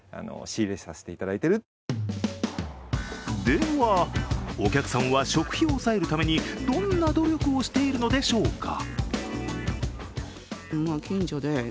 では、お客さんは食費を抑えるためにどんな努力をしているのでしょうか？